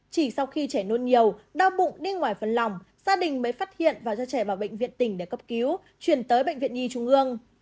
chỉ sau khi trẻ nôn nhiều đau bụng đi ngoài phần lòng gia đình mới phát hiện và đưa trẻ vào bệnh viện tỉnh để cấp cứu chuyển tới bệnh viện nhi trung ương